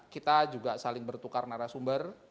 kita juga saling bertukar narasumber